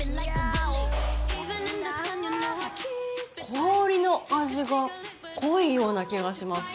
氷の味が濃いような気がします